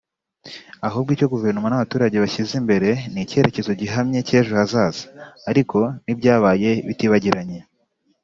ahubwo icyo guverinoma n’abaturage bashyize imbere ni icyerekezo gihamye cy’ejo hazaza ariko n’ibyabaye bitibagiranye